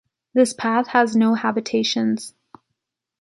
This path has no habitations.